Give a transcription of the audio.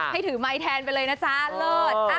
ให้ถือไมค์ไทยรันดร์ไปเลยนะจ๊ะเลิศ